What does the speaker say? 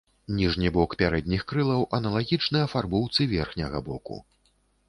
Ніжні бок пярэдніх крылаў аналагічны афарбоўцы верхняга боку.